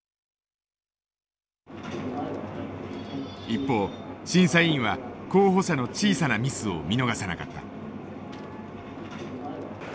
一方審査委員は候補者の小さなミスを見逃さなかった。